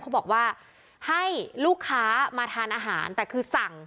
เขาบอกว่าให้ลูกค้ามาทานอาหารแต่คือสั่ง